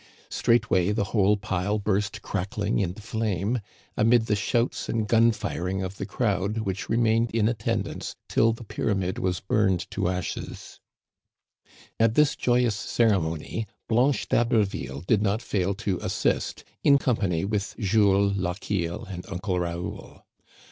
Straightway the whole pile burst crackling into flame, amid the shouts and gun firing of the crowd which le Digitized by VjOOQIC 126 THE CANADIANS OF OLD. mained in attendance till the pyramid was bumed to ashes. At this joyous ceremony, Blanche d'Haberville did not fail to assist, in company with Jules, Lochiel, and Uncle Raoul.